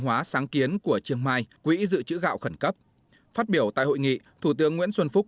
hóa sáng kiến của trương mai quỹ dự trữ gạo khẩn cấp phát biểu tại hội nghị thủ tướng nguyễn xuân phúc